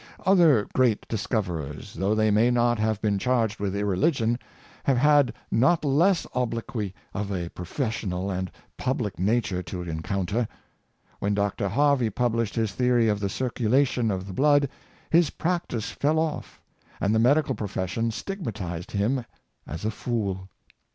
Other great discoverers, though they may not have been charged with irreligion, have had not less obloquy of a professional and public nature to encounter. When 452 Devotion and Self sacrifice. Dr. Harvey published his theory of the circulation of the blood, his practice fell off, and the medical profes sion stigmatised him as a fool.